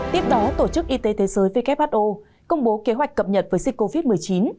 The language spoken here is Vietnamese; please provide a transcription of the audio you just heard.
tiếp đó tổ chức y tế thế giới who công bố kế hoạch cập nhật với dịch covid một mươi chín